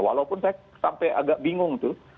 walaupun saya sampai agak bingung tuh